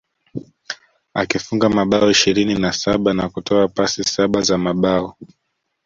Akifunga mabao ishirini na saba na kutoa pasi saba za mabao